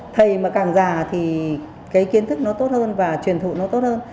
thầy mà càng già thì cái kiến thức nó tốt hơn và truyền thụ nó tốt hơn